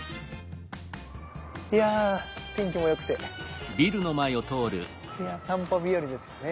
いや天気も良くていや散歩日和ですよね。